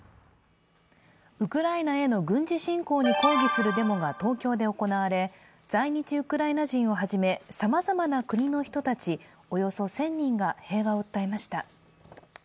ウクライナへの軍事侵攻に抗議するデモが東京で行われ在日ウクライナ人をはじめさまざまな国の人たちおよそ１０００人が平和を訴えました。